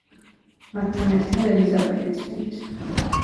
მათთან ერთად ელიზაბეტიც მიდის.